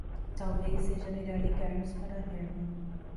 Talvez seja melhor ligarmos para Herman.